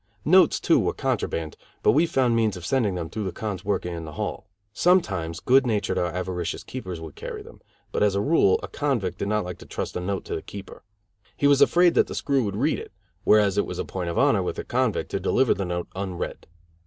Notes, too, were contraband, but we found means of sending them through cons working in the hall. Sometimes good natured or avaricious keepers would carry them; but as a rule a convict did not like to trust a note to a keeper. He was afraid that the screw would read it, whereas it was a point of honor with a convict to deliver the note unread.